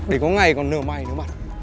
để có ngày còn nửa may nữa mà